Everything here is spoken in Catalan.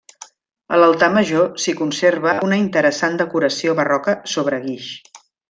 A l'altar major, s'hi conserva una interessant decoració barroca sobre guix.